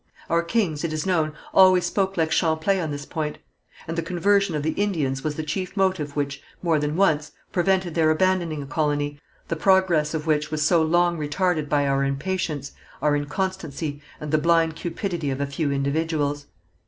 Our kings, it is known, always spoke like Champlain on this point; and the conversion of the Indians was the chief motive which, more than once, prevented their abandoning a colony, the progress of which was so long retarded by our impatience, our inconstancy, and the blind cupidity of a few individuals.